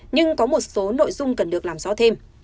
nhưng có một số nội dung cần được làm rõ thêm